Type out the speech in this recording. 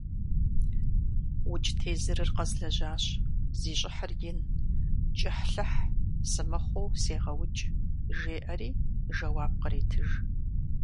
- УкӀ тезырыр къэзлэжьащ, зи щӀыхьыр ин, кӀыхь–лӏыхь сымыхъуу сегъэукӀ, – жеӀэри жэуап къретыж.